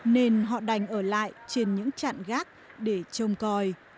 nên họ đành ở lại trên những trạng gác để trông coi